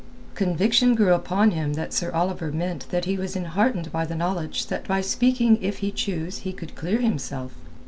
Conviction grew upon him that Sir Oliver meant that he was enheartened by the knowledge that by speaking if he choose he could clear himself.